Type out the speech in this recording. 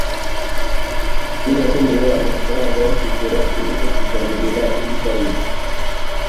Yari akeneye amafaranga yo kugura ikintu cyo kugaburira imbwa ye.